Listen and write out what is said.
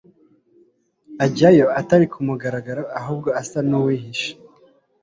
ajyayo atari ku mugaragaro ahubwo asa n uwihishe